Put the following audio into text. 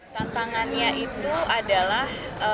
tantangannya itu adalah